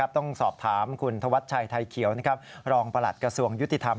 ต้องสอบถามคุณธวัชชัยไทยเขียวรองประหลัดกระทรวงยุติธรรม